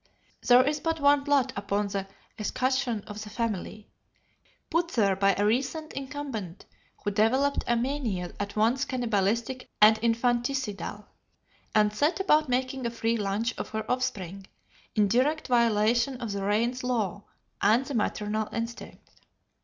There is but one blot upon the escutcheon of the family, put there by a recent incumbent who developed a mania at once cannibalistic and infanticidal, and set about making a free lunch of her offspring, in direct violation of the Raines law and the maternal instinct.